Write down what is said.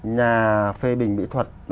nhà phê bình mỹ thuật